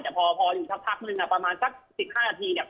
แต่พอพออยู่สักพักนึงอ่ะประมาณสักสิบห้านาทีเนี้ย